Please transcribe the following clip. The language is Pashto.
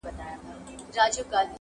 • خان هم توره چلول هم توپکونه -